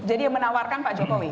jadi menawarkan pak jokowi